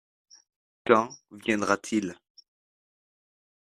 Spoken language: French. Quand viendra-t-il ?